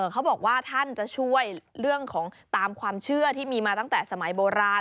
เขาบอกว่าท่านจะช่วยเรื่องของตามความเชื่อที่มีมาตั้งแต่สมัยโบราณ